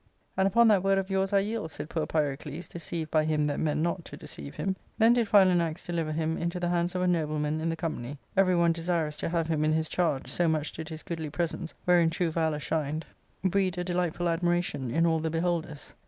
And upon that word of yours I yield," said poor Pyrocles, deceived by him that meant not to deceive him. Then did Philanax deliver him into the hands of a nobleman in the company, every one desirous to have him in his charge, so much did his goodly presence, wherein true valour shined, F F 2 436 ARCADIA.Sook IK breed a delightful admiration in all the beholders.